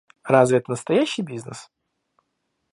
Разве это настоящий бизнес?